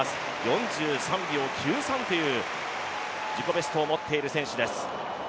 ４３秒９３という自己ベストを持っている選手です。